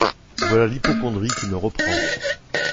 Voilà l’hypocondrie qui me reprend.